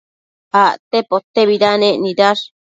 Acte potebidanec nidash